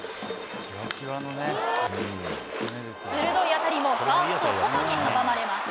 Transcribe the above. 鋭い当たりも、ファースト、ソトに阻まれます。